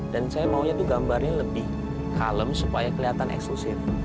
dan saya maunya tuh gambarnya lebih kalem supaya kelihatan eksklusif